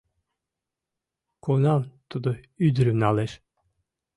Кунам тудо ӱдырым налеш?